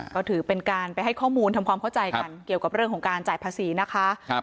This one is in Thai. ก็ถือเป็นการไปให้ข้อมูลทำความเข้าใจกันเกี่ยวกับเรื่องของการจ่ายภาษีนะคะ